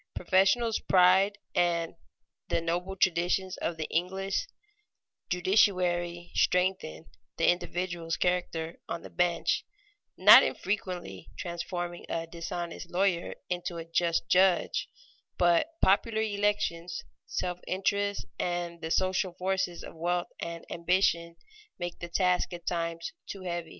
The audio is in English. Professional pride and the noble traditions of the English judiciary strengthen the individual's character on the bench, not infrequently transforming a dishonest lawyer into a just judge; but popular elections, selfish interests, and the social forces of wealth and ambition make the task at times too heavy.